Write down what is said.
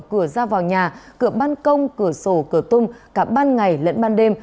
cửa ra vào nhà cửa ban công cửa sổ cửa tung cả ban ngày lẫn ban đêm